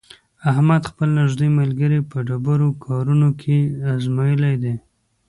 احمد خپل نېږدې ملګري په ډېرو کارونو کې ازمېیلي دي.